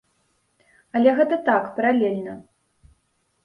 Але гэта так, паралельна.